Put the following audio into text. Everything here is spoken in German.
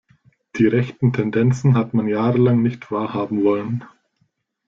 Die rechten Tendenzen hat man jahrelang nicht wahrhaben wollen.